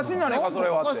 それは」って。